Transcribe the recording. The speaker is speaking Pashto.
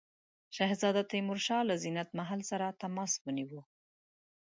شهزاده تیمورشاه له زینت محل سره تماس ونیو.